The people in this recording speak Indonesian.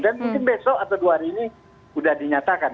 dan mungkin besok atau dua hari ini sudah dinyatakan